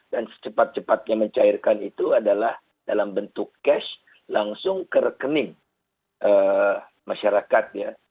dan secepat cepatnya mencairkan itu adalah dalam bentuk cash langsung ke rekening masyarakat ya